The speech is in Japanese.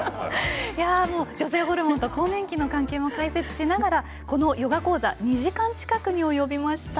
女性ホルモンと更年期の関係も解説しながらこのヨガ講座２時間近くに及びました。